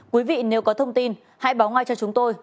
quý vị nếu có thông tin hãy báo ngay cho chúng tôi